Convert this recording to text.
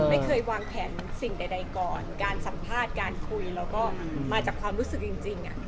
ไม่เคยวางแผนสิ่งใดก่อนการสัมภาษณ์การคุยแล้วก็มาจากความรู้สึกจริง